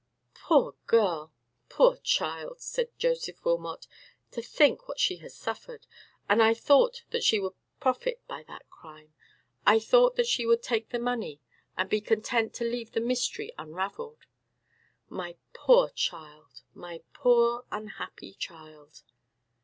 "Poor girl, poor child!" said Joseph Wilmot; "to think what she has suffered. And I thought that she would profit by that crime; I thought that she would take the money, and be content to leave the mystery unravelled. My poor child! my poor, unhappy child!"